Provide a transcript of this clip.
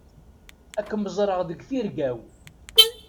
Ad kem-ẓreɣ deg tirga-w.